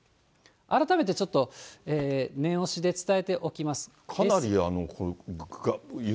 改めてちょっと念押しで伝えておきます。